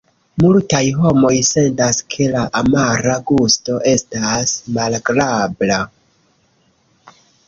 Multaj homoj sentas ke la amara gusto estas malagrabla.